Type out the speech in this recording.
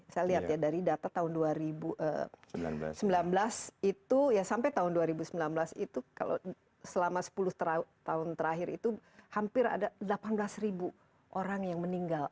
saya lihat ya dari data tahun dua ribu sembilan belas itu ya sampai tahun dua ribu sembilan belas itu kalau selama sepuluh tahun terakhir itu hampir ada delapan belas ribu orang yang meninggal